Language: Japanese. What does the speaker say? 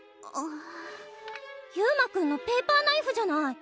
裕真君のペーパーナイフじゃない。